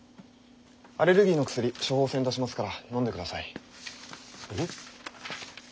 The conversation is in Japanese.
アレルギーの薬処方箋出しますからのんでください。え？